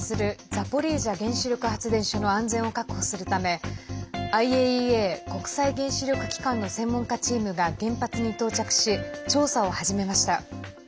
ザポリージャ原子力発電所の安全を確保するためＩＡＥＡ＝国際原子力機関の専門家チームが原発に到着し、調査を始めました。